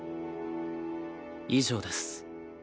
以上です。